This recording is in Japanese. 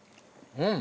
うん。